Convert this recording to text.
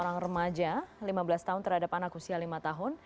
bagaimana kemauan penerbitan